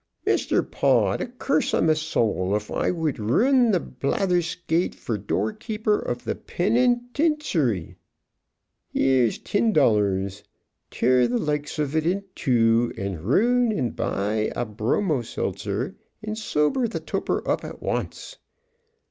"Misther Pod, a curse on me soul if Oi would ruun th' bladherscat fer doorkeeper oof th' pinnytinsury! Here's tin dollars, tear th' likes oof it in two and rhuun ond buy a bhromo seltzer, and sober th' toper oop at wance."